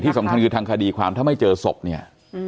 สำคัญคือทางคดีความถ้าไม่เจอศพเนี่ย